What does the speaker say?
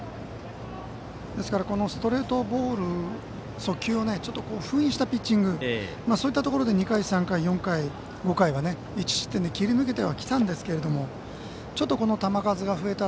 ストレートボール速球を封印したピッチングそういったところで２回、３回、４回、５回は１失点で切り抜けてはきたんですがちょっと球数が増えた